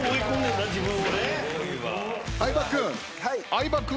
相葉君。